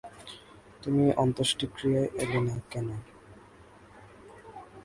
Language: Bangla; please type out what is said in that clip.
তুমি অন্ত্যেষ্টিক্রিয়ায় এলে না কেন?